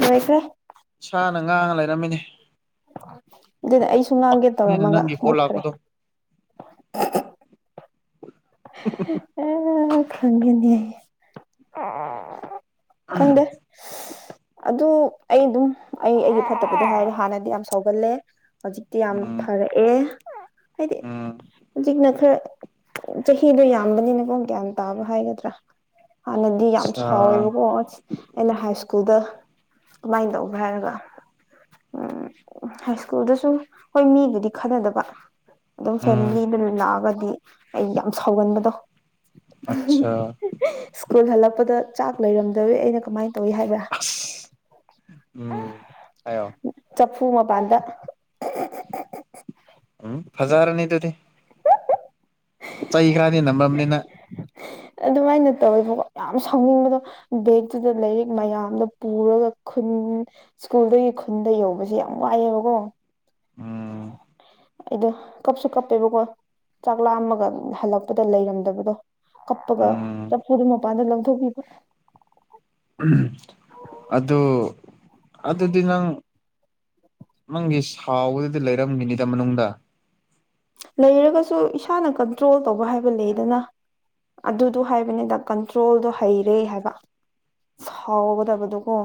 ꯃꯣꯏꯁꯦ ꯅꯪ ꯉꯥꯡꯅ ꯂꯩꯔꯝꯃꯤꯅꯤ ꯑꯗꯨꯗꯤ ꯑꯩꯁꯨ ꯉꯥꯡꯒꯦ ꯇꯧꯔꯝꯃꯒ ꯅꯪꯒꯤ ꯀꯣꯜ ꯃꯨꯠꯈ꯭ꯔꯦ ꯂꯥꯛꯄꯗꯣ ꯑ ꯈꯪꯒꯅꯤ ꯈꯪꯗꯦ ꯑꯗꯨ ꯑꯩ ꯑꯗꯨꯝ ꯑꯩ ꯑꯩꯒꯤ ꯐꯠꯇꯕꯗꯣ ꯍꯥꯏꯔꯦ ꯍꯥꯟꯅꯗꯤ ꯌꯥꯝ ꯁꯥꯎꯒꯜꯂꯦ ꯍꯧꯖꯤꯛꯇꯤ ꯌꯥꯝ ꯎꯝ ꯐꯔꯛꯑꯦ ꯍꯥꯏꯗꯤ ꯎꯝ ꯍꯧꯖꯤꯛꯅ ꯈꯔ ꯆꯍꯤꯗꯨꯣ ꯌꯥꯝꯕꯅꯤꯅ ꯄꯨꯡ ꯀ꯭ꯌꯥꯝ ꯇꯥꯕ ꯍꯥꯏꯒꯗ꯭ꯔꯥ ꯍꯥꯟꯅꯗꯤ ꯌꯥꯝ ꯑꯆꯥ ꯁꯥꯎꯋꯦꯕꯀꯣ ꯑꯁ ꯑꯩꯅ ꯍꯥꯏ ꯁꯀꯨꯜ ꯑꯗꯨꯗ ꯀꯃꯥꯏꯅ ꯇꯧꯕꯦ ꯍꯥꯏꯔꯒ ꯎꯝ ꯍꯥꯏ ꯁ꯭ꯀꯨꯜꯗꯁꯨ ꯍꯣꯏ ꯃꯤꯗꯨꯗꯤ ꯈꯟꯅꯗꯕ ꯑꯗꯨꯝ ꯎꯝ ꯐꯦꯃꯤꯂꯤꯗꯨ ꯂꯥꯛꯑꯒꯗꯤ ꯑꯩ ꯌꯥꯝ ꯁꯥꯎꯒꯟꯕꯗꯣ ꯑꯆꯥ ꯁ꯭ꯀꯨꯜ ꯍꯜꯂꯛꯄꯗ ꯆꯥꯛ ꯂꯩꯔꯝꯗꯋ ꯑꯩꯅ ꯀꯃꯥꯏꯅ ꯇꯧꯏ ꯍꯥꯏꯕ꯭ꯔꯥ ꯎꯝ ꯑꯣ ꯄꯨꯃ ꯄꯥꯟꯗ ꯎꯝ ꯐꯖꯥꯔꯅꯤ ꯇꯗꯤ ꯆꯩ ꯈ꯭ꯔꯗꯤ ꯅꯝꯃꯝꯅꯤꯅ [unintelligible] ꯑꯗꯨꯃꯥꯏꯅ ꯇꯧꯋꯦꯕꯀꯣ ꯌꯥꯝ ꯁꯥꯎꯅꯤꯡꯕꯗꯣ ꯕꯦꯛꯇꯨꯗ ꯂꯥꯏꯔꯤꯛ ꯃꯌꯥꯝꯗꯣ ꯄꯨꯔꯒ ꯈꯨ ꯎ ꯁ꯭ꯀꯨꯜꯗꯒꯤ ꯈꯨꯟꯗ ꯌꯧꯕꯁꯦ ꯌꯥꯝ ꯋꯥꯏꯑꯦꯕꯀꯣ ꯎꯝ ꯑꯩꯗꯣ ꯀꯞꯁꯨ ꯀꯞꯄꯦꯕꯀꯣ ꯆꯥꯛꯂꯥꯃꯒ ꯍꯜꯂꯛꯄꯗ ꯂꯩꯔꯝꯗꯕꯗꯣ ꯀꯞꯄꯒ ꯎꯝ ꯆꯐꯨꯗꯨ ꯃꯄꯥꯟꯗ ꯂꯧꯊꯣꯛꯄꯤꯕ꯭ꯔꯥ ꯑꯗꯨꯗ ꯑꯗꯨꯗꯤ ꯅꯪ ꯅꯪꯒꯤ ꯁꯥꯎꯕꯗꯗꯤ ꯂꯩꯔꯝꯃꯤꯅꯤꯗ ꯃꯅꯨꯡꯗ ꯂꯩꯔꯒꯁꯨ ꯏꯁꯥꯅ ꯀꯟꯇ꯭ꯔꯣꯜ ꯇꯧꯕ ꯍꯥꯏꯕ ꯂꯩꯗꯅ ꯑꯗꯨꯗꯣ ꯍꯥꯏꯕꯅꯤꯗ ꯀꯟꯇ꯭ꯔꯣꯜꯗꯣ ꯍꯩꯔꯦ ꯍꯥꯏꯕ ꯍꯥꯎꯊꯥꯗꯨ ꯀ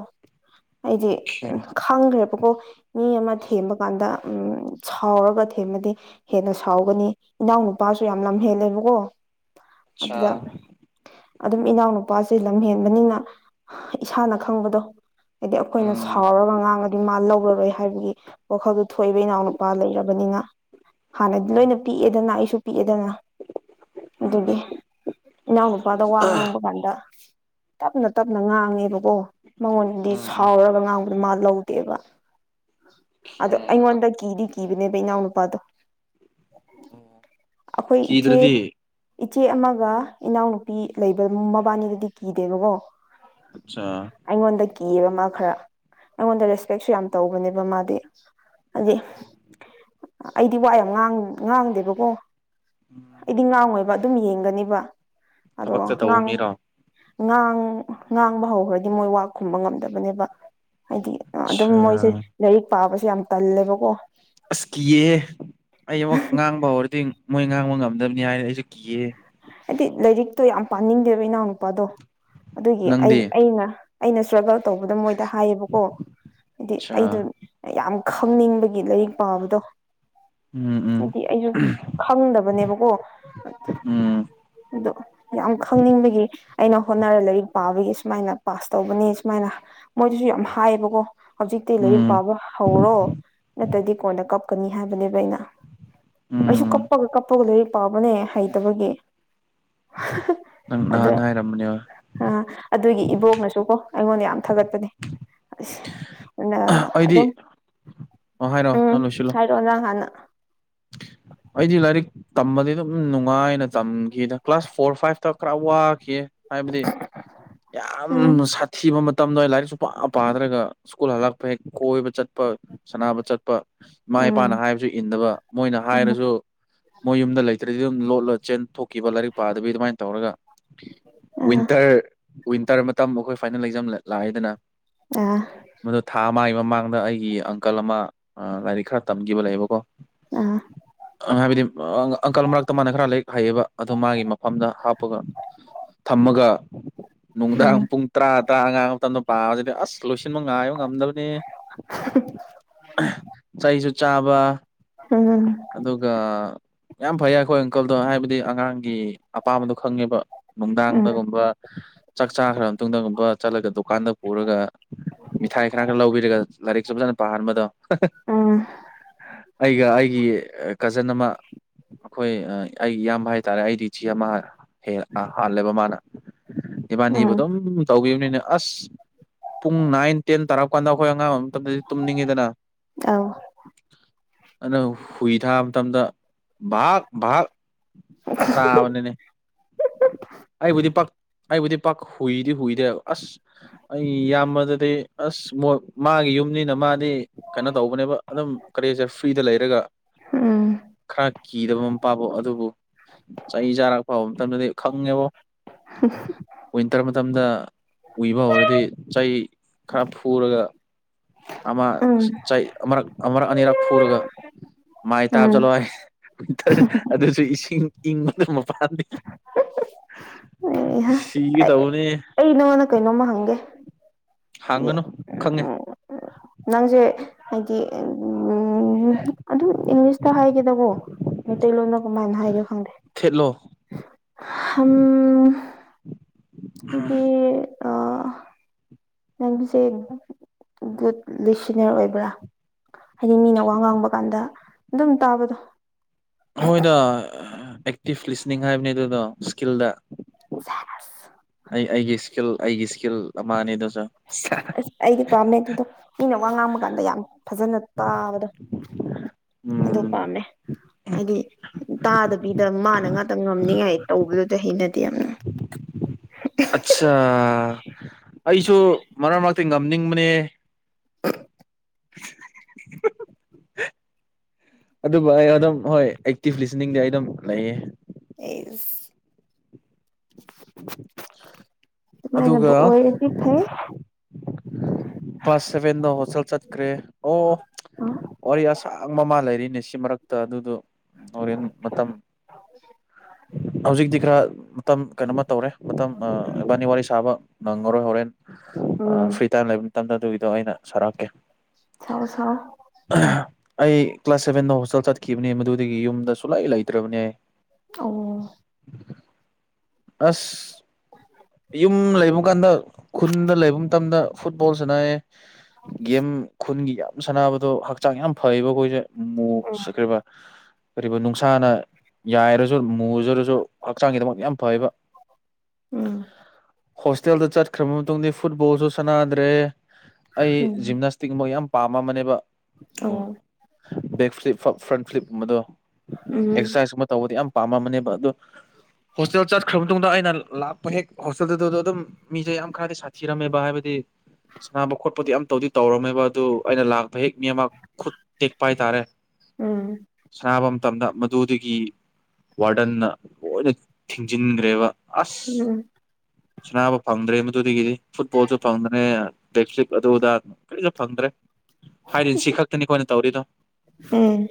ꯑꯩꯗꯤ ꯈꯦ ꯈꯪꯈ꯭ꯔꯦꯕꯀꯣ ꯃꯤ ꯑꯃ ꯊꯦꯝꯕ ꯀꯥꯟꯗ ꯎꯝ ꯁꯥꯎꯔꯒ ꯊꯦꯝꯃꯗꯤ ꯍꯦꯟꯅ ꯁꯥꯎꯒꯅꯤ ꯏꯅꯥꯎꯅꯨꯄꯥꯁꯨ ꯌꯥꯝ ꯂꯝꯍꯦꯜꯂꯦꯕꯀꯣ ꯑꯆꯥ ꯑꯗꯨꯗ ꯑꯗꯨꯝ ꯏꯅꯥꯎꯅꯨꯄꯥ ꯑ ꯂꯝ ꯍꯦꯟꯕꯅꯤꯅ ꯏꯁꯥꯅ ꯈꯪꯕꯗꯣ ꯍꯥꯏꯗꯤ ꯑꯩꯈꯣꯏꯅ ꯎꯝ ꯁꯥꯎꯔꯒ ꯉꯥꯡꯒꯗꯤ ꯃꯥ ꯂꯧꯒ ꯍꯥꯏꯕꯒꯤ ꯋꯥꯈꯜꯗꯨꯣ ꯊꯣꯛꯏꯕ ꯏꯅꯥꯎꯅꯨꯄꯥ ꯂꯩꯔꯕꯅꯤꯅ ꯍꯥꯟꯅꯗꯤ ꯎꯝ ꯂꯣꯏꯅ ꯄꯤꯛꯑꯦꯗꯅ ꯑꯩꯁꯨ ꯗꯅ ꯎꯝ ꯑꯗꯨꯗꯤ ꯎꯝ ꯏꯅꯥꯎꯅꯨꯄꯥꯗ ꯋꯥ ꯉꯥꯡꯕ ꯀꯥꯟꯗ ꯇꯞꯅ ꯇꯞꯅ ꯉꯥꯡꯉꯦꯕꯀꯣ ꯃꯉꯣꯟꯗꯗꯤ ꯎꯝ ꯎꯝ ꯁꯥꯎꯔꯒ ꯉꯥꯡꯕꯗ ꯃꯥ ꯂꯧ ꯠꯇꯦꯕ ꯈꯦ ꯑꯗꯣ ꯑꯩꯉꯣꯟꯗ ꯀꯤꯗꯤ ꯀꯤꯕꯅꯦꯕ ꯏꯅꯥꯎꯅꯨꯄꯥꯗꯣ ꯑꯣ ꯑꯩꯈꯣꯏ ꯏꯆꯦ ꯀꯤꯗ꯭ꯔꯗꯤ ꯏꯆꯦ ꯑꯃꯒ ꯏꯅꯥꯎꯅꯨꯄꯤ ꯂꯩꯕ ꯃꯕꯥꯅꯤꯗꯗꯤ ꯀꯤꯗꯦꯕꯀꯣ ꯑꯆꯥ ꯀꯤꯑꯕ ꯃꯥ ꯈꯔ ꯑꯩꯉꯣꯟꯗ ꯔꯦꯁꯄꯦꯛꯁꯨ ꯌꯥꯝ ꯇꯧꯕꯅꯦꯕ ꯃꯥꯗꯤ ꯍꯥꯏꯗꯤ [unintelligible] ꯑꯩꯗꯤ ꯋꯥ ꯌꯥꯝꯥꯡ ꯉꯥꯡꯗꯦꯕꯀꯣ ꯑꯩꯗꯤ ꯉꯥꯡꯉꯣꯏꯕ ꯑꯗꯨꯝ ꯌꯦꯡꯒꯅꯤꯕ ꯑꯗꯨꯒ ꯊꯕꯛꯇ ꯇꯧꯎ ꯉꯥꯡ ꯃꯤꯔꯣ ꯉꯥꯡ ꯉꯥꯡꯕ ꯍꯧꯈ꯭ꯔꯗꯤ ꯃꯣꯏ ꯈꯨꯝꯕ ꯉꯝꯗꯕꯅꯦꯕ ꯍꯥꯏꯗꯤ ꯑꯗꯨꯝ ꯑꯆꯥ ꯃꯣꯏꯁꯦ ꯂꯥꯏꯔꯤꯛ ꯄꯥꯕꯁꯨꯦ ꯌꯥꯝ ꯇꯜꯂꯦꯕꯀꯣ ꯑꯁ ꯀꯤꯑꯍꯦ ꯑꯩ ꯑꯃꯨꯛ ꯉꯥꯡꯕ ꯍꯧꯔꯗꯤ ꯃꯣꯏ ꯉꯥꯡꯕ ꯉꯝꯗꯕꯅꯤ ꯍꯥꯏꯅ ꯑꯩꯁꯨ ꯀꯤꯌꯦ ꯍꯥꯏꯗꯤ ꯂꯥꯏꯔꯤꯛꯇꯣ ꯌꯥꯝ ꯄꯥꯅꯤꯡꯗꯦꯕ ꯏꯅꯥꯎꯅꯨꯄꯥꯗꯣ ꯑꯗꯨꯒꯤ ꯑꯩ ꯅꯪꯗꯤ ꯑꯩꯅ ꯑꯩꯅ ꯏꯁꯇ꯭ꯔꯒꯜ ꯇꯧꯕꯗ ꯃꯣꯏꯗ ꯍꯥꯏꯌꯦꯕꯀꯣ ꯍꯥꯏꯗꯤ ꯑꯆꯥ ꯑꯩꯗ ꯌꯥꯝ ꯈꯪꯅꯤꯡꯕꯒꯤ ꯂꯥꯏꯔꯤꯛ ꯄꯥꯝꯕꯗꯣ ꯎꯝ ꯎꯝ ꯍꯥꯏꯗꯤ ꯑꯩꯁꯨ ꯈꯪꯗꯕꯅꯦꯕꯀꯣ ꯎꯝ ꯑꯗꯣ ꯌꯥꯝ ꯈꯪꯅꯤꯡꯕꯒꯤ ꯑꯩꯅ ꯍꯣꯠꯅꯔ ꯂꯥꯏꯔꯤꯛ ꯄꯥꯕꯒꯤ ꯁꯨꯃꯥꯏꯅ ꯄꯥꯁ ꯇꯧꯕꯅꯦ ꯁꯨꯃꯥꯏꯅ ꯃꯣꯏꯗꯨꯁꯨ ꯌꯥꯝ ꯍꯥꯏꯌꯦꯕꯀꯣ ꯍꯧꯖꯤꯛꯇꯤ ꯂꯥꯏꯔꯤꯛ ꯎꯝ ꯄꯥꯕ ꯍꯧꯔꯣ ꯅꯠꯇ꯭ꯔꯗꯤ ꯀꯣꯟꯗ ꯀꯞꯀꯅꯤ ꯍꯥꯏꯕꯅꯦꯕ ꯑꯩꯅ ꯑꯩꯁꯨ ꯎꯝ ꯀꯞꯄꯒ ꯀꯞꯄꯒ ꯂꯣꯏꯔꯤꯛ ꯄꯥꯕꯅꯦ ꯍꯩꯇꯕꯒꯤ [unintelligible] ꯪꯥꯟ ꯍꯥꯏꯔꯝꯃꯅꯤꯦ ꯑ ꯑꯗꯨꯒꯤ ꯏꯕꯣꯛꯅꯁꯨꯀꯣ ꯑꯩꯉꯣꯟꯗ ꯌꯥꯝ ꯊꯥꯒꯠꯄꯅꯦ ꯑ ꯑꯩꯗꯤ ꯑꯗꯨꯝ ꯑꯣ ꯍꯥꯏꯔꯣ ꯎꯝ ꯅꯪ ꯂꯣꯏꯁꯤꯜꯂꯣ ꯍꯥꯏꯔꯛꯑꯣ ꯅꯪ ꯍꯥꯟꯅ [unintelligible] ꯑꯩꯗꯤ ꯂꯥꯏꯔꯤꯛ ꯇꯝꯕꯗꯤ ꯑꯗꯨꯝ ꯅꯨꯡꯉꯥꯏꯅ ꯇꯝꯈꯤꯗ ꯀ꯭ꯂꯥꯁ ꯐꯣꯔ ꯐꯥꯏꯚꯇ ꯈꯔ ꯋꯥꯈꯤ ꯍꯥꯏꯕꯗꯤ ꯌꯥꯝ ꯎꯝ ꯁꯥꯊꯤꯕ ꯃꯇꯝꯗ ꯂꯥꯏꯔꯤꯛꯁꯨ ꯄꯥ ꯄꯥꯗ꯭ꯔꯒ ꯁ꯭ꯀꯨꯜ ꯍꯜꯂꯛꯄ ꯍꯦꯛ ꯀꯣꯏꯕ ꯆꯠꯄ ꯁꯥꯟꯅꯕ ꯆꯠꯄ ꯏꯃꯥ ꯎꯝ ꯏꯄꯥꯅ ꯍꯥꯏꯕꯁꯨ ꯏꯟꯗꯕ ꯃꯣꯏꯅ ꯎꯝ ꯍꯥꯏꯔꯁꯨ ꯃꯣꯏ ꯌꯨꯝꯗ ꯂꯩꯇ꯭ꯔꯗꯤ ꯑꯗꯨꯝ ꯂꯣꯠꯂꯣ ꯆꯦꯟ ꯊꯣꯛꯈꯤꯕ ꯂꯥꯏꯔꯤꯛ ꯄꯥꯗꯕꯤ ꯑꯗꯨꯃꯥꯏꯅ ꯇꯧꯔꯒ ꯑꯥ ꯋꯤꯟꯇꯔ ꯋꯤꯟꯇꯔ ꯃꯇꯝ ꯑꯩꯈꯣꯏ ꯐꯥꯏꯅꯦꯜ ꯂꯩꯖꯝ ꯂꯥꯛꯑꯦꯗꯅ ꯑꯥ ꯃꯗꯨ ꯊꯥ ꯃꯥꯒꯤ ꯃꯃꯥꯡꯗ ꯑꯩꯒꯤ ꯑꯪꯀꯜ ꯑꯃ ꯂꯥꯏꯔꯤꯛ ꯈꯔ ꯇꯝꯈꯤꯕ ꯂꯩꯕꯀꯣ ꯑꯥ ꯍꯥꯏꯕꯗꯤ ꯑꯪꯀꯜ ꯃꯔꯛꯇ ꯃꯥꯅ ꯈꯔ ꯂꯥꯏꯔꯤꯛ ꯍꯩꯌꯦꯕ ꯑꯗꯨ ꯃꯥꯒꯤ ꯃꯐꯝꯗ ꯍꯥꯞꯄꯒ ꯊꯝꯃꯒ ꯅꯨꯡꯗꯥꯡ ꯎꯝ ꯄꯨꯡ ꯇꯔꯥ ꯇꯔꯥ ꯑꯉꯥꯡ ꯃꯇꯝꯗ ꯄꯥꯕꯁꯤꯗꯤ ꯑꯁ ꯂꯣꯏꯁꯤꯟ ꯁꯤꯟꯕ ꯉꯥꯏꯕ ꯉꯝꯗꯕꯅꯤ ꯆꯩꯁꯨ ꯆꯥꯕ ꯎꯝ ꯑꯗꯨꯒ ꯌꯥꯝ ꯐꯩ ꯑꯩꯈꯣꯏ ꯑꯪꯀꯜꯗꯣ ꯍꯥꯏꯕꯗꯤ ꯑꯉꯥꯡꯒꯤ ꯑꯄꯥꯝꯕꯗꯣ ꯈꯪꯉꯦꯕ ꯎꯝ ꯅꯨꯡꯗꯥꯡꯗꯒꯨꯝꯕ ꯆꯥꯛ ꯆꯥꯈ꯭ꯔ ꯃꯇꯨꯡꯗꯒꯨꯝꯕ ꯆꯠꯂꯒ ꯗꯨꯀꯥꯟꯗ ꯄꯨꯔꯒ ꯃꯤꯊꯥꯏ ꯈꯔ ꯈꯔ ꯂꯧꯕꯤꯔꯒ ꯂꯥꯏꯔꯤꯛꯁꯨ ꯐꯖꯅ ꯄꯥꯍꯟꯕꯗꯣ ꯎꯝ ꯑꯩꯒ ꯑꯩꯒꯤ ꯀꯖꯟ ꯑꯃ ꯑꯩꯈꯣꯏ ꯑꯩꯒꯤ ꯏꯌꯥꯝꯕ ꯍꯥꯏꯇꯥꯔꯦ ꯑꯩꯗꯤ ꯏꯆꯦ ꯑꯃ ꯍꯥꯜꯂꯦꯕ ꯃꯥꯅ ꯏꯕꯥꯅꯤꯕꯨ ꯎꯝ ꯑꯗꯨꯝ ꯇꯧꯕꯅꯤꯅꯦ ꯑꯁ ꯄꯨꯡ ꯅꯥꯏꯟ ꯇꯦꯟ ꯇꯥꯔ ꯀꯥꯟꯗ ꯑꯩꯈꯣꯏ ꯑꯉꯥꯡꯕ ꯃꯇꯝꯗꯗꯤ ꯇꯨꯝꯅꯤꯡꯉꯤꯗꯅ ꯑꯧ ꯑ ꯍꯨꯏ ꯊꯥꯕ ꯃꯇꯝꯗ ꯚꯥꯛ ꯚꯥꯛ ꯆꯥꯕꯅꯤꯅꯦ ꯑꯩꯕꯨꯗꯤ ꯄꯛ ꯑꯩꯕꯨꯗꯤ ꯄ ꯍꯨꯏꯗꯤ ꯍꯨꯏꯗ꯭ꯔꯦꯕ ꯑꯁ ꯑꯩ ꯌꯥꯝꯃꯗꯗꯤ ꯑꯁ ꯃꯥꯒꯤ ꯌꯨꯝꯅꯤꯅ ꯃꯥꯅꯤ ꯀꯩꯅꯣ ꯇꯧꯕꯅꯦꯕ ꯑꯗꯨꯝ ꯀꯔꯤꯁꯦ ꯐ꯭ꯔꯤꯗ ꯂꯩꯔꯒ ꯎꯝ ꯈꯔ ꯀꯤꯗꯕ ꯃꯄꯥꯥꯕꯣ ꯑꯗꯨꯕꯨ ꯆꯍꯤ ꯆꯥꯔꯛ ꯐꯥꯎꯕ ꯃꯇꯝꯗꯗꯤ ꯈꯪꯉꯦꯕꯣ ꯋꯤꯟꯇꯔ ꯃꯇꯝꯗ ꯎꯏꯕ ꯍꯧꯔꯗꯤ ꯆꯩ ꯈꯔ ꯐꯨꯔꯒ ꯑ ꯎꯝ ꯆ ꯑ ꯑꯅꯤꯔ ꯐꯨꯔꯒ ꯃꯥꯏ ꯇꯥꯕ ꯎꯝ ꯆꯠꯂꯏꯋꯤꯟꯇꯔ ꯑꯗꯨꯁꯨꯁꯤꯡ ꯏꯪ ꯅꯃ ꯄꯥꯗ ꯍ ꯑꯩ ꯅꯪꯉꯣꯟꯗ ꯀꯩꯅꯣꯝꯃ ꯍꯪꯒꯦ ꯍꯥꯏꯗꯤ ꯍꯥꯡꯒꯅꯨ ꯈꯪꯉꯦ ꯎꯝ, ꯅꯪꯁꯦ ꯍꯥꯏꯗꯤ ꯎ ꯑꯗꯨꯝ ꯏꯪꯂꯤꯁꯇ ꯍꯥꯏꯒꯦꯗꯕꯣ ꯃꯤ ꯇ ꯂꯣꯟ ꯀꯃꯥꯏꯅ ꯍꯥꯏꯒꯦ ꯈꯪꯗ꯭ꯔꯦꯝ ꯊꯦꯠꯂꯣ ꯑꯗꯨꯗꯤ ꯑ ꯅꯪꯒꯤꯁꯦ ꯒꯨꯗ ꯂꯤꯁꯟꯅꯔ ꯑꯣꯏꯕ꯭ꯔꯥ ꯍꯥꯏꯗꯤ ꯃꯤꯅ ꯋꯥ ꯉꯥꯡꯕ ꯀꯥꯟꯗ ꯑꯗꯨꯝ ꯇꯥꯕꯗꯣ ꯍꯣꯏꯗ ꯑꯦꯛꯇꯤꯚ ꯂꯤꯁꯅꯤꯡ ꯍꯥꯏꯕꯅꯦ ꯑꯗꯨꯗꯣ ꯏꯁꯀꯤꯜꯗ ꯁꯦꯁ ꯑꯁ ꯑꯩ ꯑꯩꯒꯤ ꯏꯁꯀꯤꯜ ꯑꯩꯒꯤ ꯏꯁꯀꯤꯜ ꯑꯃꯅꯦ ꯑꯗꯨꯁꯨ ꯑꯁ ꯑꯩꯗꯤ ꯄꯥꯝꯃꯦ ꯑꯗꯨꯗꯣ ꯃꯤꯅ ꯋꯥ ꯉꯥꯡꯕ ꯀꯥꯟꯗ ꯌꯥꯝ ꯐꯖꯅ ꯇꯥꯕꯗꯣ ꯑꯗꯨ ꯎꯝ ꯄꯥꯝꯃꯦ ꯍꯥꯏꯗꯤ ꯇꯥꯗꯕꯤꯗ ꯃꯥꯅ ꯉꯥꯛꯇ ꯉꯝꯅꯤꯉꯥꯏ ꯇꯧꯕꯤꯗꯨꯗ ꯍꯩꯅꯗꯦ ꯌꯥꯝꯅ ꯑꯠꯆꯥ ꯑꯩꯁꯨ ꯃꯔꯛ ꯃꯔꯛꯇ ꯉꯝꯅꯤꯡꯕꯅꯦ [unintelligible] ꯑꯗꯨꯕꯨ ꯑꯩ ꯑꯗꯨꯝ ꯍꯣꯏ ꯑꯦꯛꯇꯤꯚ ꯂꯤꯁꯅꯤꯡꯗꯤ ꯑꯩ ꯑꯗꯨꯝ ꯂꯩꯌꯦ ꯑꯦꯖ ꯑꯗꯨꯒ ꯁꯨꯃꯥꯏꯅꯕꯨ ꯑꯣꯏꯔꯗꯤ ꯐꯩ ꯀ꯭ꯂꯥꯁ ꯁꯚꯦꯟꯗ ꯍꯣꯁꯇꯦꯜ ꯆꯠꯈ꯭ꯔꯦ ꯑꯣ ꯋꯥꯔꯤ ꯑꯁꯥꯡ ꯃꯃꯥ ꯂꯩꯔꯤ ꯑꯅꯤꯁꯤ ꯃꯔꯛꯇ ꯑꯗꯨꯗꯣ ꯍꯣꯔꯦꯟ ꯃꯇꯝ [unintelligible] ꯍꯧꯖꯤꯛꯇꯤ ꯈꯔ ꯃꯇꯝ ꯀꯩꯅꯣꯃ ꯇꯧꯔꯦ ꯃꯇꯝ ꯏꯕꯥꯅꯤ ꯋꯥꯔꯤ ꯁꯥꯕ ꯉꯣꯔꯣꯏ ꯍꯣꯔꯦꯟ ꯎꯝ ꯐ꯭ꯔꯤ ꯇꯥꯏꯝ ꯂꯩꯕ ꯃꯇꯝꯗ ꯑꯗꯨꯒꯤꯗꯣ ꯑꯩꯅ ꯁꯔꯛꯀꯦ ꯁꯥꯎ ꯁꯥꯎ ꯑꯩ ꯀ꯭ꯂꯥꯁ ꯁꯦꯚꯦꯟ ꯅ ꯍꯣꯁꯦꯜ ꯈꯤꯕꯅꯦ ꯃꯗꯨꯗꯒꯤ ꯌꯨꯝꯗ ꯁꯨꯂꯥꯏ ꯂꯩꯇ꯭ꯔꯕꯅꯦ ꯑꯣ ꯑꯁ ꯌꯨꯝ ꯂꯩ ꯀ ꯀꯥꯟꯗ ꯈꯨꯟꯗ ꯂꯩꯕ ꯃꯇꯝꯗ ꯐꯨꯠꯕꯣꯜꯁꯤꯅ ꯒꯦꯝ ꯈꯨꯟꯒꯤ ꯁꯥꯟꯅꯕꯗꯣ ꯍꯛꯆꯥꯡ ꯌꯥꯝ ꯐꯩꯌꯦꯕ ꯑꯩꯈꯣꯏꯁꯦꯈ꯭ꯔꯤꯕ ꯀꯔꯤꯕ ꯅꯨꯡꯁꯥꯅ ꯌꯥꯏꯔꯁꯨ ꯃꯨꯖꯔꯁꯨ ꯍꯛꯆꯥꯡꯒꯤꯗꯃꯛ ꯌꯥꯝ ꯐꯩꯕ ꯎꯝ ꯍꯣꯁꯇꯦꯜꯗ ꯆꯠꯈ꯭ꯔꯕ ꯃꯇꯨꯡꯗ ꯐꯨꯠꯕꯣꯜꯁꯨ ꯁꯥꯟꯅꯗ꯭ꯔꯦ ꯑꯩ ꯖꯤꯝꯅꯥꯁꯇꯤꯛ ꯃ ꯌꯥꯝ ꯄꯥꯝꯃꯅꯦꯕ ꯑ ꯕꯦꯛ ꯐ꯭ꯂꯤꯞ ꯐ꯭ꯔꯟ ꯐ꯭ꯂꯤꯞꯀꯨꯝꯕꯗꯣ ꯎꯝ ꯑꯦꯛꯁꯔꯁꯥꯏꯁꯀꯨꯝꯕ ꯇꯧꯕꯗꯤ ꯌꯥꯝ ꯄꯃ ꯃꯅꯤ ꯑꯗꯨ ꯍꯣꯁꯇꯦꯜ ꯆꯠꯈ꯭ꯔ ꯃꯇꯨꯡꯗ ꯑꯩꯅ ꯂꯥꯛꯄ ꯍꯦꯛ ꯍꯣꯁꯇꯦꯜꯗꯨꯗꯨꯗ ꯑꯗꯨꯝ ꯃꯤꯖꯦ ꯌꯥꯝ ꯈꯔꯗꯤ ꯁꯥꯊꯤꯔꯝꯃꯦꯕ ꯍꯥꯏꯕꯗꯤ ꯁꯥꯟꯅꯕ ꯈꯣꯠꯄꯗꯤ ꯌꯥꯝ ꯇꯧꯗꯤ ꯇꯧꯔꯝꯃꯦꯕ ꯑꯗꯨ ꯑꯩꯅ ꯂꯥꯛ ꯄꯍꯦꯛ ꯃꯤ ꯑꯃꯛ ꯈꯨꯠ ꯇꯦꯛꯄ ꯍꯥꯏꯇꯥꯔꯦ ꯎꯝ ꯁꯅꯥꯕꯝ ꯃꯇꯝꯗ ꯃꯗꯨꯗꯒꯤ ꯋꯥꯔꯗꯟꯅ ꯂꯣꯏꯅ ꯊꯤꯡꯖꯤꯟꯒꯔꯦꯕ ꯑꯁ ꯎꯝ ꯁꯅꯥꯕ ꯐꯪꯗ꯭ꯔꯦ ꯃꯗꯨꯗꯒꯤꯗꯤ ꯐꯨꯠꯕꯣꯜꯁꯨ ꯐꯪꯗ꯭ꯔꯦ ꯌꯦ ꯑꯥ ꯇꯦꯞꯁꯇꯤꯛ ꯑꯗꯨ ꯑꯗꯥ ꯀꯔꯤꯁꯨ ꯐꯪꯗ꯭ꯔꯦ ꯍꯥꯏꯔꯤ ꯁꯤ ꯈꯛꯇꯅꯤꯀꯣ ꯑꯩꯅ ꯇꯧꯔꯤꯗꯣ ꯎꯝ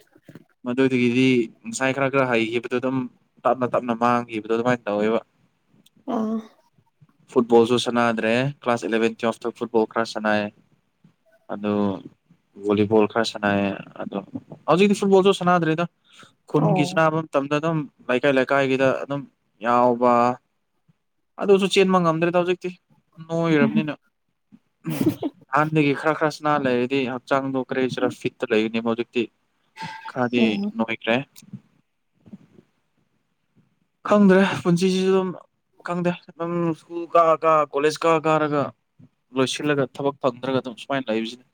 ꯃꯗꯨ ꯑꯗꯒꯤꯗꯤ ꯉꯁꯥꯏ ꯈꯔ ꯈꯔ ꯍꯩꯈꯤꯕꯗꯣ ꯑꯗꯨꯝ ꯇꯞꯅ ꯇꯞꯅ ꯃꯥꯡꯒꯤꯕꯗꯣ ꯑꯗꯨꯃꯥꯏꯅ ꯇꯧꯋꯦꯕ ꯑꯥ ꯐꯨꯠꯕꯣꯜꯁꯨ ꯁꯥꯟꯅꯗ꯭ꯔꯦ ꯀ꯭ꯂꯥꯁ ꯏꯂꯚꯦꯟ ꯇꯨꯋꯦꯜꯐꯇ ꯐꯨꯠꯕꯣꯜ ꯈꯔ ꯁꯥꯟꯅꯩꯌꯦ ꯑꯗꯨ ꯚꯣꯂꯤꯕꯣꯜ ꯈꯔ ꯁꯥꯟꯅꯩꯌꯦ ꯑꯗꯣ ꯍꯧꯖꯤꯛꯇꯤ ꯐꯨꯠꯕꯣꯜꯁꯨ ꯁꯥꯟꯅꯗ꯭ꯔꯦꯗ ꯑꯣ ꯈꯨꯟꯒꯤ ꯁꯅꯥꯕ ꯃꯇꯝꯗ ꯑꯗꯨꯝ ꯂꯩꯀꯥꯏ ꯂꯩꯀꯥꯏꯒꯤꯗ ꯑꯗꯨꯝ ꯌꯥꯎꯕ ꯑꯗꯨꯁꯨ ꯆꯦꯟꯕ ꯉꯝꯗ꯭ꯔꯦꯗ ꯍꯧꯖꯤꯛꯇꯤ ꯅꯣꯏꯔꯝꯅꯤꯅ ꯎꯝ ꯍꯥꯟꯅꯗꯒꯤ ꯈꯔ ꯈꯔ ꯁꯅꯥ ꯂꯩꯔꯗꯤ ꯍꯛꯆꯥꯡꯗꯣ ꯀꯔꯤꯁꯤꯔ ꯐꯤꯠꯇ ꯂꯩꯒꯅꯤ ꯍꯨꯖꯤꯛꯇꯤ ꯈꯥꯗꯤ ꯎꯝ ꯅꯣꯏꯈ꯭ꯔꯦ ꯈꯪꯗ꯭ꯔꯦ ꯄꯨꯟꯁꯤꯁꯤꯁꯨ ꯑꯝ ꯈꯪꯗꯦ ꯑꯗꯨꯝ ꯁ꯭ꯀꯨꯜ ꯀꯥꯔ ꯀꯥꯔꯒ ꯀꯣꯂꯦꯖ ꯀꯥꯔ ꯀꯥꯔꯒ ꯂꯣꯏꯁꯤꯜꯂꯒ ꯊꯕꯛ ꯐꯪꯗ꯭ꯔꯒ ꯑꯗꯨꯝ ꯁꯨꯃꯥꯏꯅ ꯂꯩꯕꯁꯤꯅꯤ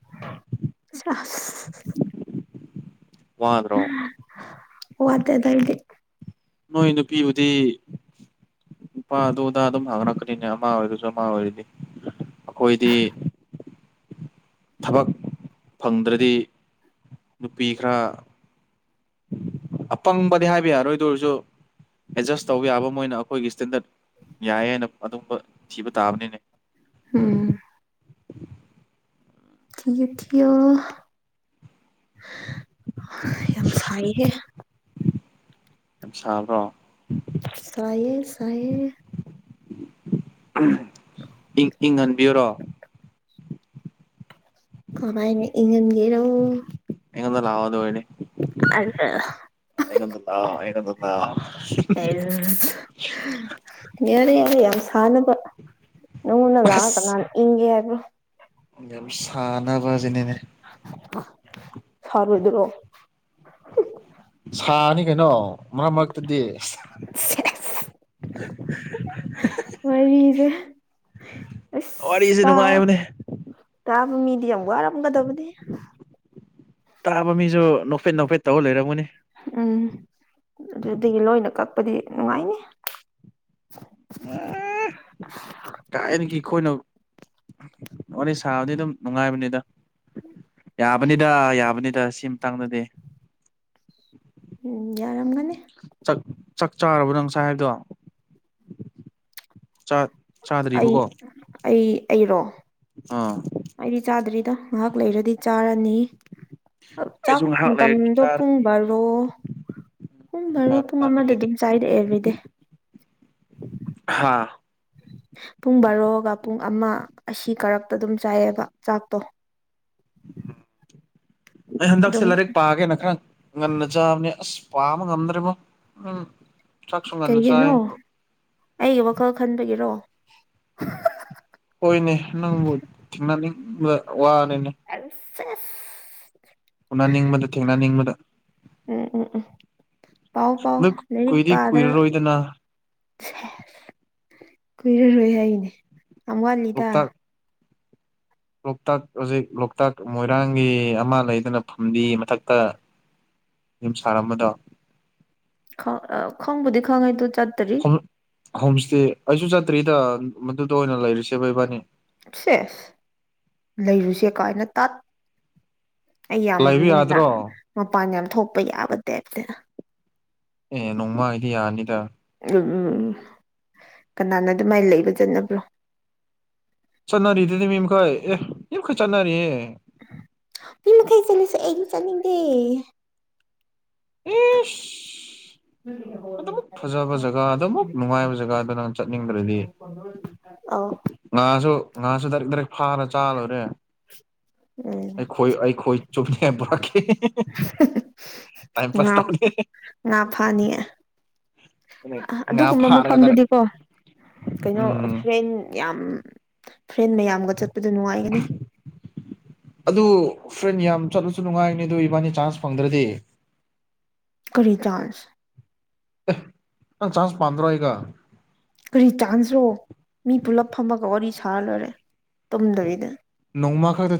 ꯁꯥꯁ ꯋꯥꯗꯔꯣ ꯋꯥꯗꯦ ꯗꯥꯏꯝ ꯅꯣꯏ ꯅꯨꯄꯤꯕꯨꯗꯤ ꯅꯨꯄꯥ ꯑꯗꯨꯗꯥ ꯑꯗꯨꯝ ꯍꯥꯡꯔꯛꯀꯅꯤꯅꯦ ꯑꯃ ꯑꯣꯏꯔꯁꯨ ꯑꯃ ꯑꯣꯏꯔꯗꯤ ꯑꯈꯣꯏꯗꯤ ꯊꯕꯛ ꯐꯪꯗ꯭ꯔꯗꯤ ꯅꯨꯄꯤ ꯈꯔ ꯑꯄꯪꯕꯗꯤ ꯍꯥꯏꯕ ꯌꯥꯔꯣꯏꯗꯨ ꯑꯣꯏꯔꯁꯨ ꯑꯦꯗꯖꯁ ꯇꯧꯕ ꯌꯥꯕ ꯃꯣꯏꯅ ꯑꯈꯣꯏꯒꯤ ꯏꯁꯇꯦꯟꯗꯔꯠ ꯌꯥꯏ ꯑꯥꯏꯅ ꯑꯇꯣꯄ ꯊꯤꯕ ꯇꯥꯕꯅꯤꯅꯦ ꯎꯝ ꯊꯤꯌꯨ ꯊꯤꯑꯣ ꯍꯥ ꯌꯥꯝ ꯁꯥꯏꯍꯦ ꯌꯥꯝ ꯁꯥꯕ꯭ꯔꯣ ꯁꯥꯏꯌꯦ ꯁꯥꯏꯌꯦ ꯎꯝ ꯏꯪ ꯏꯪꯍꯟꯕꯤꯌꯨꯔꯣ ꯀꯃꯥꯏꯅ ꯏꯪꯍꯟꯒꯦꯔꯣ ꯑꯩꯉꯣꯟꯗ ꯂꯥꯑꯣ ꯑꯗꯨ ꯑꯣꯏꯔꯗꯤ ꯑꯔ ꯑꯩꯉꯣꯟꯗ ꯂꯥꯎ ꯑꯩꯉꯣꯟꯗ ꯂꯥꯎ ꯑꯩꯔꯨꯝ ꯍ ꯍ ꯌꯥꯔꯦ ꯌꯥꯔꯦ ꯌꯥꯝ ꯁꯥ ꯁꯥꯅꯕ ꯅꯉꯣꯟꯗ ꯂꯥꯛꯑꯥ ꯑꯁ ꯀꯅꯥꯅ ꯏꯪꯒꯦ ꯍꯥꯏ꯭ꯕꯔꯣ ꯌꯥꯝ ꯁꯥꯟꯅꯕꯖꯤꯅꯤꯅꯦ ꯐꯕꯗꯨꯔꯣ ꯍꯨꯝ ꯁꯥꯅꯤ ꯀꯩꯅꯣ ꯃꯔꯛ ꯃꯔꯛꯇꯗꯤ ꯁꯤ ꯍꯨꯝ ꯁꯦꯁ ꯍꯨꯝ ꯋꯥꯔꯤꯁꯦ [unintelligible] ꯑꯁ ꯋꯥꯔꯤꯁꯦ ꯇꯥ ꯅꯨꯡꯉꯥꯏꯕꯅꯦ ꯇꯥꯕ ꯃꯤꯗꯤ ꯌꯥꯝ ꯋꯥꯔꯝꯒꯗꯕꯅꯦ ꯇꯥꯕ ꯃꯤꯖꯨ ꯅꯣꯛꯐꯦꯠ ꯅꯣꯛꯐꯦꯠ ꯇꯧꯔ ꯂꯩꯔꯝꯒꯅꯤ ꯎꯝ ꯑꯗꯨꯗꯒꯤ ꯂꯣꯏꯅ ꯀꯛꯄꯗꯤ ꯅꯨꯡꯉꯥꯏꯅꯤ ꯑꯈꯣꯏꯅ ꯋꯥꯔꯤ ꯁꯥꯕꯗꯤ ꯑꯗꯨꯝ ꯅꯨꯡꯉꯥꯏꯕꯅꯤꯗ ꯌꯥꯕꯅꯤꯗ ꯌꯥꯕꯅꯤꯗ ꯁꯤ ꯃꯇꯥꯡꯗꯗꯤ [inaudible] ꯎꯝ ꯌꯥ ꯥꯆꯛ ꯆꯥꯛ ꯆꯥꯔꯕꯣ ꯅꯪ ꯉꯁꯥꯏ ꯍꯥꯏꯕꯗꯣ ꯑꯩ ꯆꯥꯗ꯭ꯔꯤꯕꯀꯣ ꯑꯩ ꯑꯩꯔꯣ ꯑꯥ ꯑꯩꯗꯤ ꯆꯥꯗ꯭ꯔꯤꯗ ꯉꯥꯏꯍꯥꯛ ꯂꯩꯔꯗꯤ ꯆꯥꯔꯅꯤ ꯆꯥꯛ ꯑꯩꯁꯨ ꯉꯥꯏꯍꯥꯛ ꯂꯩꯔꯗꯤ ꯃꯇꯝꯗꯣ ꯄꯨꯡ ꯆꯥꯔꯅꯤ ꯕꯥꯔꯣ ꯄꯨꯡ ꯎꯝ ꯔꯣ ꯕꯥꯔꯣ ꯄꯨꯡ ꯇꯥꯒꯦ ꯑꯃꯗ ꯂꯩꯔꯦ ꯑꯗꯨꯝ ꯆꯥꯏꯔꯛꯑꯦ ꯑꯦꯕ꯭ꯔꯤꯗꯦ ꯍꯥ [unintelligible] ꯄꯨꯡ ꯕꯥꯔꯣꯒ ꯄꯨꯡ ꯑꯃ ꯑꯁꯤ ꯀꯔꯛꯇ ꯑꯗꯨꯝ ꯆꯥꯏꯌꯦꯕ ꯆꯥꯛꯇꯣ ꯑꯩ ꯍꯟꯗꯛꯁꯦ ꯑꯗꯨꯝ ꯂꯥꯏꯔꯤꯛ ꯄꯥꯒꯦꯅ ꯈꯔ ꯉꯟꯅ ꯆꯥꯕꯅꯦ ꯑꯁ ꯄꯥꯃ ꯉꯝꯗꯔꯔꯤꯕꯣ ꯎꯝ ꯆꯥꯛꯁꯨ ꯉꯟꯅ ꯆꯥꯏ ꯀꯩꯒꯤꯅꯣ ꯑꯩꯒꯤ ꯋꯥꯈꯜ ꯈꯟꯕꯒꯤꯔꯣ [unintelligible] ꯍꯣꯏꯅꯦ ꯅꯪꯕꯨ ꯊꯦꯡꯅꯅꯤꯡꯕ ꯑꯗ ꯎꯅꯅꯤꯡꯕꯗ ꯊꯦꯡꯅꯅꯤꯡꯕꯗ ꯎꯝ ꯎꯝ ꯎꯝ ꯄꯥꯎ ꯄꯥꯎ ꯑꯗꯨ ꯂꯥꯏꯔꯤꯛ ꯀꯨꯏꯗꯤ ꯄꯥꯗꯅ ꯀꯨꯏꯔꯔꯣꯏꯗꯅ ꯁꯦ ꯀꯨꯏꯔꯔꯣꯏ ꯑꯩꯅꯦ ꯌꯥꯝ ꯋꯥꯠꯂꯤꯗ ꯂꯣꯛꯇꯥꯛ ꯂꯣꯛꯇꯥꯛ ꯍꯧꯖꯤꯛ ꯂꯣꯛꯇꯥꯛ ꯃꯣꯏꯔꯥꯡꯒꯤ ꯑꯃ ꯂꯩꯗꯅ ꯐꯝꯕꯤ ꯃꯊꯛꯇ ꯌꯨꯝꯁꯥꯔ ꯑꯃꯗꯣ ꯈ ꯈꯪꯕꯨꯣꯗꯤ ꯈꯪꯥꯏ ꯍꯣꯝ ꯏꯁꯇꯦ ꯑꯩꯁꯨ ꯆꯠꯇ꯭ꯔꯤꯗ ꯃꯗꯨꯗ ꯑꯣꯏꯅ ꯂꯩꯔꯤꯁꯦ ꯕ ꯏꯕꯥꯅꯤ ꯁꯦꯁ ꯂꯩꯔꯨꯁꯦ ꯀꯥꯏꯅ ꯇꯥꯠ ꯑꯩ ꯌꯥꯝ ꯂꯩꯕ ꯌꯥꯗ꯭ꯔꯣ ꯅꯨꯡꯗꯥꯡ ꯃꯄꯥꯟ ꯌꯥꯝ ꯊꯣꯛꯄ ꯌꯥꯕ ꯇꯥꯏꯞꯇꯅ ꯑꯦ ꯅꯣꯡꯃ ꯏꯌꯥꯅꯤꯗ ꯑꯗꯨꯝ ꯎ ꯀꯅꯥꯅ ꯑꯗꯨꯃꯥꯏꯅ ꯂꯩꯕ ꯆꯠꯅꯕ꯭ꯔꯣ ꯆꯠꯅꯥꯔꯤ ꯏꯗꯗꯤ ꯃꯤꯝ ꯈꯣꯏ ꯑꯦꯝ ꯈꯣꯏ ꯆꯠꯅꯔꯤ ꯆꯅꯤꯗꯤ ꯎꯝ ꯑꯗꯨꯃꯛ ꯐꯖꯕ ꯖꯒꯥ ꯑꯗꯨꯃꯛ ꯅꯨꯡꯉꯥꯏꯕ ꯖꯒꯥ ꯑꯗꯨ ꯅꯪ ꯆꯠꯅꯤꯡꯗ꯭ꯔꯗꯤ ꯑꯧ ꯉꯥꯁꯨ ꯉꯥꯁꯨ ꯗꯥꯔꯛ ꯔꯛ ꯐꯥꯔ ꯆꯥꯂꯨꯔꯦ ꯎꯝ ꯑꯩꯈꯣꯏ ꯑꯩꯈꯣꯏ ꯆꯨꯝꯅꯦ ꯄꯨꯔ ꯄꯥꯁ ꯇꯧꯅꯤ ꯉꯅꯥꯐꯥꯅꯤ ꯉꯥ ꯑꯗꯨꯒꯨꯝꯕ ꯐꯥꯔꯒ ꯗꯥꯏꯔꯦꯛ ꯃꯐꯝꯗꯨꯗꯤꯀꯣ ꯀꯩꯅꯣ ꯎꯝ ꯍꯣꯔꯦꯟ ꯌꯥꯝ ꯐ꯭ꯔꯦꯟ ꯃꯌꯥꯝꯒ ꯆꯠ ꯑꯗꯨ ꯐ꯭ꯔꯦꯟ ꯌꯥꯝ ꯆꯠꯂꯁꯨ ꯅꯨꯡꯉꯥꯏꯅꯤ ꯑꯗꯨ ꯏꯕꯥꯅꯤ ꯆꯥꯟꯁ ꯐꯪꯗ꯭ꯔꯗꯤ ꯀꯔꯤ ꯆꯖ ꯑꯦ ꯅꯪ ꯆꯥꯟꯁ ꯄꯥꯟꯝꯗ꯭ꯔꯣ ꯑꯩꯒ ꯀꯔꯤ ꯆꯥꯟꯁ꯭ꯔꯣ ꯃꯤ ꯄꯨꯂꯞ ꯐꯝꯃꯒ ꯋꯥꯔꯤ ꯁꯥꯔ ꯂꯣꯏꯔꯦ ꯇꯨꯝꯗꯕꯤꯗ ꯅꯧꯃ ꯈ ꯊ